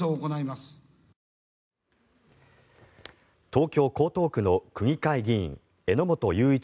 東京・江東区の区議会議員榎本雄一